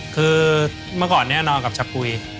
คือเมื่อก่อนเนี่ยนอนกับชับกุย